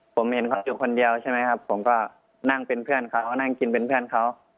ผมเห็นเขาอยู่คนเดียวใช่ไหมครับผมก็นั่งเป็นเพื่อนเขานั่งกินเป็นเพื่อนเขา